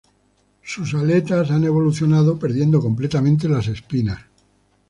Sus aletas han evolucionado perdiendo completamente las espinas.